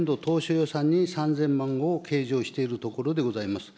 予算に３０００万をしているところでございます。